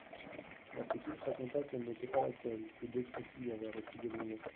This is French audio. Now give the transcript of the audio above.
La petite raconta qu'elle n'était pas la seule, que d'autres aussi avaient reçu des bonbons.